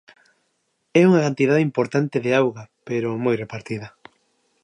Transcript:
É unha cantidade importante de auga, pero moi repartida.